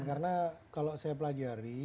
karena kalau saya pelajari